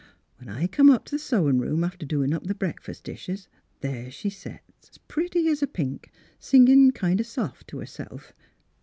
When I come up t' the sewin' room after doin' up the breakfas' dishes, there she set, 's pretty as a pink, singin' kind of soft t' herself.